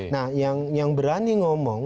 nah yang berani ngomong